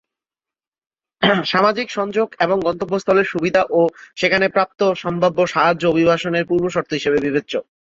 সামাজিক সংযোগ এবং গন্তব্যস্থলের সুবিধা ও সেখানে প্রাপ্তব্য সম্ভাব্য সাহায্য অভিবাসনের পূর্বশর্ত হিসেবে বিবেচ্য।